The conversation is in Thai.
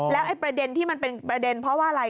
แล้วประเด็นที่มันเป็นประเด็นเพราะว่าอะไร